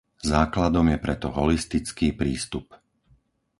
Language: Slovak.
Základom je preto holistický prístup.